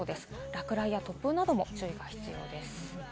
落雷や突風なども注意が必要です。